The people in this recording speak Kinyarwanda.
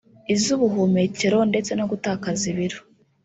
iz’ubuhumekero ndetse no gutakaza ibiro